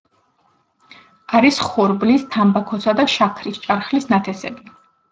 არის ხორბლის, თამბაქოსა და შაქრის ჭარხლის ნათესები.